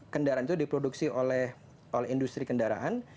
kendaraan itu diproduksi oleh industri kendaraan